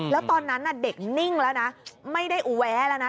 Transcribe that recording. แล้วตอนนั้นเด็กนิ่งแล้วนะไม่ได้แวะแล้วนะ